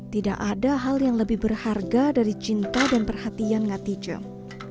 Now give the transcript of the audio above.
tidak ada hal yang lebih berharga dari cinta dan perhatian ngati jom